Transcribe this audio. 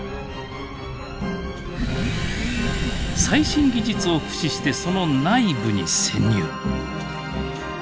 最新技術を駆使してその内部に潜入！